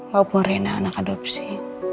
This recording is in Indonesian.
walaupun rina anak adopsi